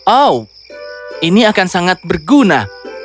oh ini akan sangat berguna